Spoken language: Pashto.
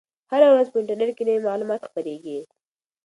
هره ورځ په انټرنیټ کې نوي معلومات خپریږي.